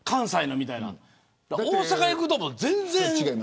大阪行くと全然。